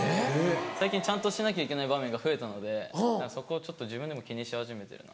最近ちゃんとしなきゃいけない場面が増えたのでそこをちょっと自分でも気にし始めてるな。